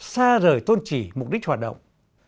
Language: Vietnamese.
xa rời tôn chỉ mục đích hoạt động